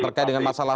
terkait dengan masalah